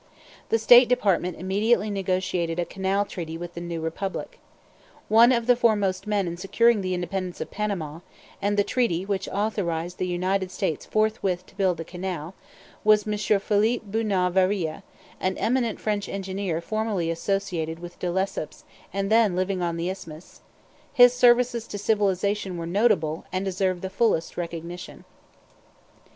The State Department immediately negotiated a canal treaty with the new Republic. One of the foremost men in securing the independence of Panama, and the treaty which authorized the United States forthwith to build the canal, was M. Philippe Bunau Varilla, an eminent French engineer formerly associated with De Lesseps and then living on the Isthmus; his services to civilization were notable, and deserve the fullest recognition.